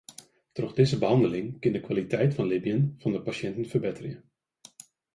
Troch dizze behanneling kin de kwaliteit fan libben fan de pasjinten ferbetterje.